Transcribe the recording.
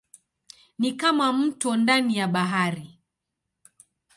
Ni kama mto ndani ya bahari.